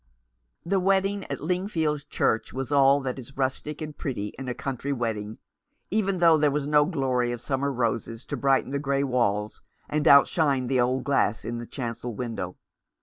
The wedding at Lingfield Church was all that is rustic and pretty in a country wedding, even though there was no glory of summer roses to brighten the grey walls and outshine the old glass in the chancel window.